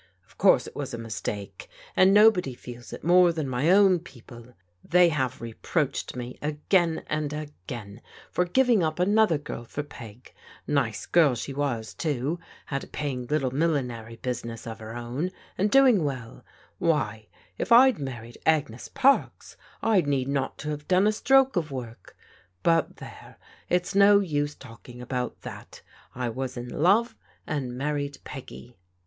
Of course it was a tx\\s>takft.^ jmd nobody feels it more than my ovjti ^o^^. "^V^ 278 PBODIGAL DAUGHTEBS I have reproached me again and again for giving up, aor other girl for Peg: nice girl she was, too; had a paying little millinery business of her own, and doing well Why, if I'd married Agnes Parks I need not to have done a stroke of work. But there, it's no use talking about that. I was in love, and married Peggy."